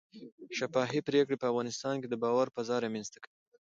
شفافې پرېکړې په افغانستان کې د باور فضا رامنځته کوي